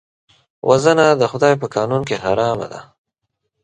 وژنه د خدای په قانون کې حرام ده